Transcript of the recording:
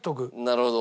なるほど。